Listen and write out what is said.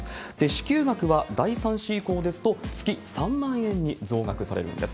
支給額は第３子以降ですと月３万円に増額されるんです。